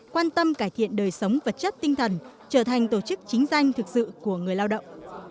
quan tâm cải thiện đời sống vật chất tinh thần trở thành tổ chức chính danh thực sự của người lao động